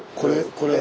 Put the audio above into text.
これ。